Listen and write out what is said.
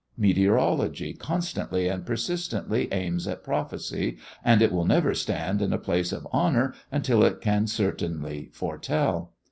Meteorology constantly and persistently aims at prophecy, and it will never stand in a place of honor until it can certainly foretell.